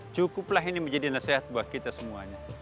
cukuplah ini menjadi nasihat buat kita semuanya